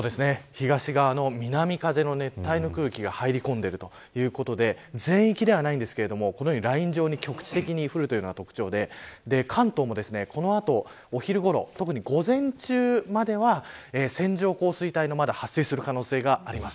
東側の南風の熱帯の空気が入り込んでいるということで全域ではないんですけれどもこのようにライン状に局地的に降るのが特徴で関東も、この後、お昼ごろ特に午前中までは線状降水帯がまだ発生する可能性があります。